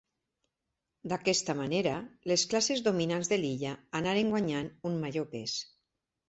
D'aquesta manera les classes dominants de l'illa anaren guanyant un major pes.